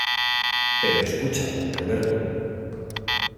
pero... escucha, Roberto .